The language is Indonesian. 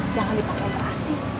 jangan dipake terasi